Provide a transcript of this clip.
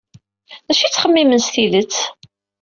D acu ay tettxemmimen s tidet?